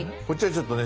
ちょっとね